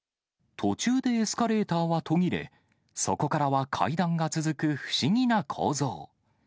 途中でエスカレーターは途切れ、そこからは階段が続く不思議な構造。